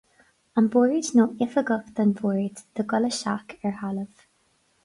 An Bord nó oifigigh don Bhord do dhul isteach ar thalamh.